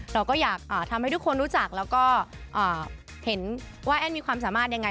เราก็อยากทำให้ทุกคนรู้จักแล้วก็เห็นว่าแอ้นมีความสามารถยังไง